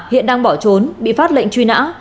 hiện đang bỏ trốn bị phát lệnh truy nã